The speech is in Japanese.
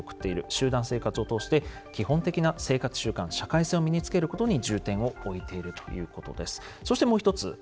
集団生活を通して基本的な生活習慣・社会性を身につけることに重点を置いているということです。